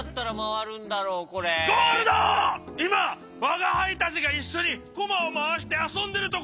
いまわがはいたちがいっしょにコマをまわしてあそんでるとこでしょ？